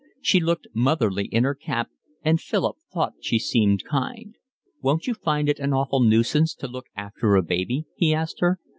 She looked motherly in her cap, and Philip thought she seemed kind. "Won't you find it an awful nuisance to look after a baby?" he asked her.